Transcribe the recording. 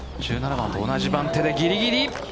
１７番と同じ番手でぎりぎり。